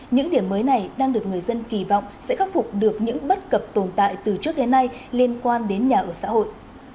những điểm mới này đang được người dân kỳ vọng sẽ khắc phục được những bất cập tồn tại từ trước đến nay liên quan đến nhà ở xã hội